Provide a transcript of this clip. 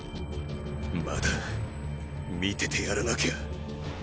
まだ見ててやらなきゃ。